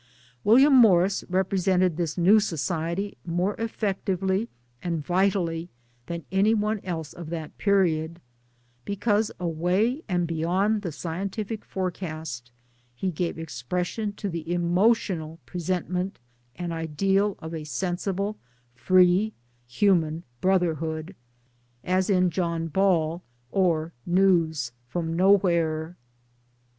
William Morris represented this new society more effectively and vitally than any one else of that period ; because away and beyond the scientific forecast he gave expression to the emotional presentment and ideal of a sensible free human brotherhood as in John Ball, or News from Nowhere.